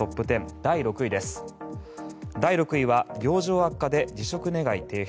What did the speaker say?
第６位は病状悪化で辞職願提出。